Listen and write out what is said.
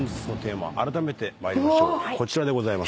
こちらでございます。